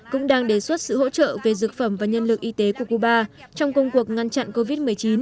cũng đang đề xuất sự hỗ trợ về dược phẩm và nhân lực y tế của cuba trong công cuộc ngăn chặn covid một mươi chín